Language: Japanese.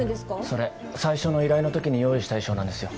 それ最初の依頼のときに用意した衣装なんですよ。